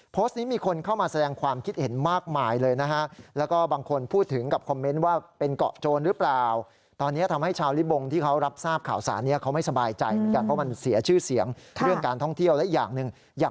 โพสต์นี้มีคนเข้ามาแสดงความคิดเห็นมากมายเลยนะฮะ